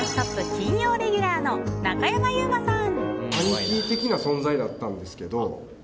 金曜レギュラーの中山優馬さん。